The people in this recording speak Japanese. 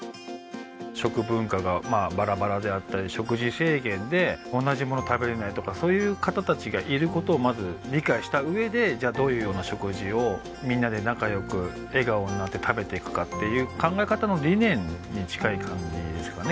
食文化がバラバラであったり食事制限で同じもの食べれないとかそういう方達がいることをまず理解したうえでじゃあどういうような食事をみんなで仲良く笑顔になって食べてくかっていう考え方の理念に近い感じですかね